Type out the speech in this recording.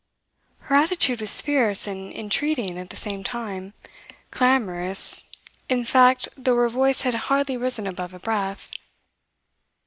Her attitude was fierce and entreating at the same time clamorous, in fact though her voice had hardly risen above a breath.